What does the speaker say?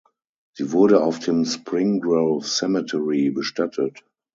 Sie wurde auf dem Spring Grove Cemetery bestattet.